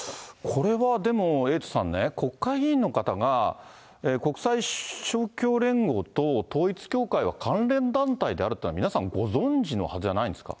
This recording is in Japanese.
これはでも、エイトさんね、国会議員の方が、国際勝共連合と統一教会は関連団体であるというのは、皆さんご存じのはずじゃないんですか？